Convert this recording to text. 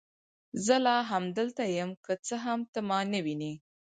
زه لا هم دلته یم، که څه هم ته ما نه وینې.